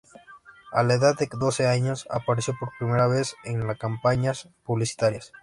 A la edad de doce años, apareció por primera vez en campañas publicitarias.